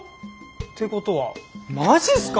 てことはマジすか。